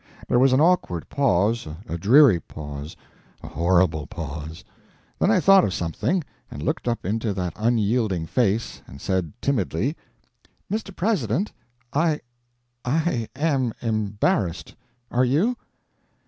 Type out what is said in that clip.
There was an awkward pause, a dreary pause, a horrible pause. Then I thought of something, and looked up into that unyielding face, and said timidly: "Mr. President, I I am embarrassed. Are you?"